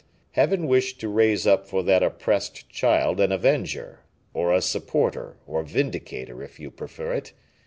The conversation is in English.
"Heaven wished to raise up for that oppressed child an avenger, or a supporter, or vindicator, if you prefer it.